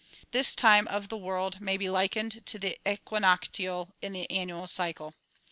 This time of the world may be likened to the equinoctial in the annual cycle.